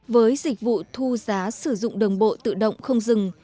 với dịch vụ thu giá sử dụng đường bộ tự động không dừng